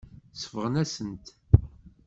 Sebɣen-asen-t.